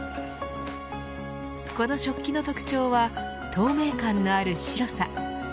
この食器の特徴は透明感のある白さ。